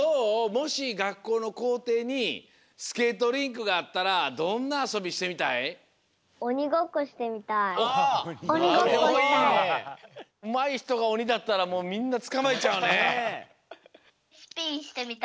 もしがっこうのこうていにスケートリンクがあったらどんなあそびしてみたい？うまいひとがおにだったらみんなつかまえちゃうね。